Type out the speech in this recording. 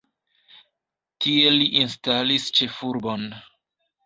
Tie li instalis ĉefurbon.